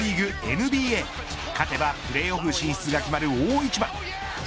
ＮＢＡ勝てばプレーオフ進出が決まる大一番。